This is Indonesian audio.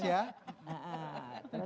hashtag modus ya